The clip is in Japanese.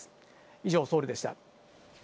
以上、ソウルでした。